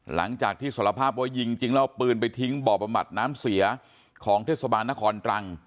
หลังจากที่สารภาพว่ายิงจริงแล้วเอาปืนไปทิ้งบ่อบำบัดน้ำเสียของเทศบาลนครตรัง